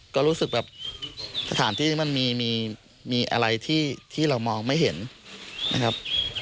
ก็รู้สึกแบบสถานที่นี้มันมีอะไรที่เรามองไม่เห็นนะครับ